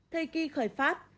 thời kỳ khởi pháp